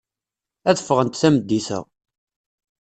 Ad ffɣent tameddit-a.